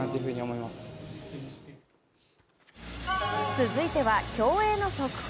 続いては競泳の速報。